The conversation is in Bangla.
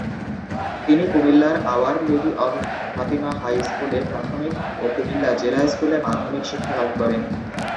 তিনি কুমিল্লার our lady of Fatima high স্কুলে প্রাথমিক ও কুমিল্লা জিলা স্কুলে মাধ্যমিক শিক্ষা লাভ করেন।